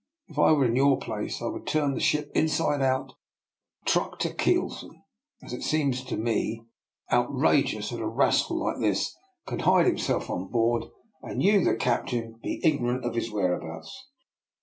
If I were in your place I would turn the ship inside out, from truck to keel son. It seems to me outrageous that a ras cal like this can hide himself on board, and DR, NIKOLA'S EXPERIMENT. 119 you, the captain, be ignorant of his where abouts."